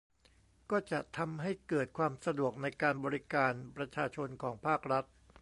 ก็จะทำให้เกิดความสะดวกในการบริการประชาชนของภาครัฐ